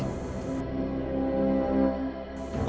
aku tidak bersedih